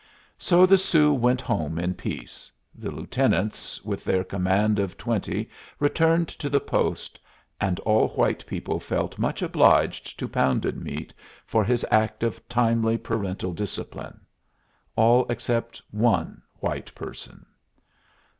So the Sioux went home in peace, the lieutenants, with their command of twenty, returned to the post, and all white people felt much obliged to Pounded Meat for his act of timely parental discipline all except one white person.